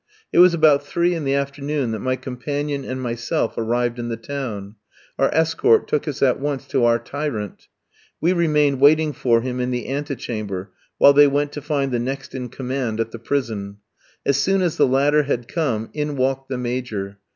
It was about three in the afternoon that my companion and myself arrived in the town; our escort took us at once to our tyrant. We remained waiting for him in the ante chamber while they went to find the next in command at the prison. As soon as the latter had come, in walked the Major.